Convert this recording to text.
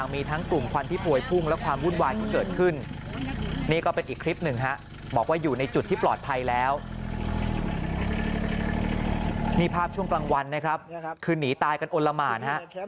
นี่ภาพช่วงกลางวันนะครับคือหนีตายกันอลละหมานฮะ